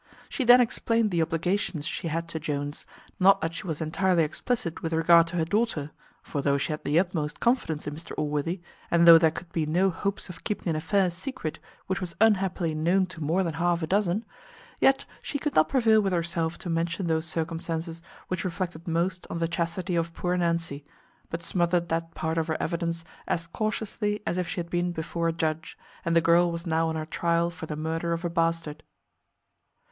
She then explained the obligations she had to Jones; not that she was entirely explicit with regard to her daughter; for though she had the utmost confidence in Mr Allworthy, and though there could be no hopes of keeping an affair secret which was unhappily known to more than half a dozen, yet she could not prevail with herself to mention those circumstances which reflected most on the chastity of poor Nancy, but smothered that part of her evidence as cautiously as if she had been before a judge, and the girl was now on her trial for the murder of a bastard.